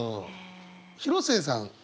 広末さん